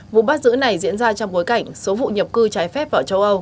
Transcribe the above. vụ bắt giữ này diễn ra trong bối cảnh số vụ nhập cư trái phép vào châu âu